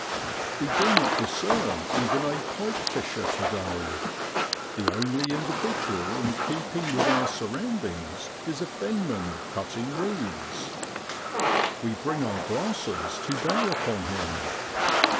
We do not discern even a pike fisher to day. The only individual in keeping with our surroundings is a fenman cut ting reeds. We bring our glasses to bear upon him.